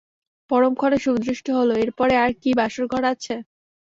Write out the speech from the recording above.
পরম ক্ষণে শুভদৃষ্টি হল, এর পরে আর কি বাসরঘর আছে।